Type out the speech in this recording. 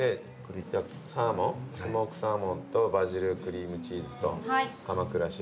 サーモンスモークサーモンとバジルクリームチーズと鎌倉しらす。